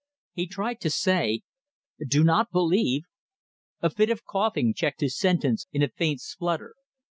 He tried to say "Do not believe ..." A fit of coughing checked his sentence in a faint splutter.